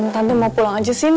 tante mau pulang aja sini